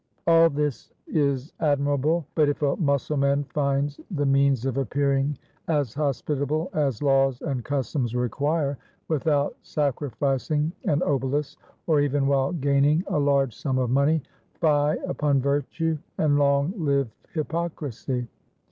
All this is admirable; but if a Mussulman finds the means of appearing as hospitable as laws and customs require, without sacrificing an obolus, or even while gaining a large sum of money, fie upon virtue, and long live hypocrisy!